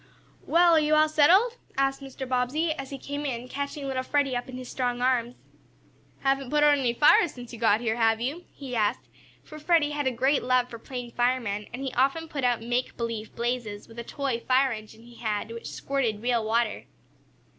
"Well, are you all settled?" asked Mr. Bobbsey, as he came in, catching little Freddie up in his strong arms. "Haven't put out any fires since you got here, have you?" he asked, for Freddie had a great love for playing fireman, and he often put out "make believe" blazes with a toy fire engine he had, which squirted real water.